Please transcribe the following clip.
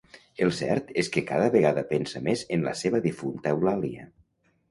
El cert és que cada vegada pensa més en la seva difunta Eulàlia.